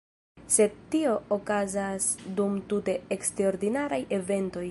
Sed tio okazas dum tute eksterordinaraj eventoj.